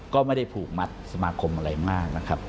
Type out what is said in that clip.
ก็ไม่ได้ผูกมัดสมาคมอะไรมากนะครับ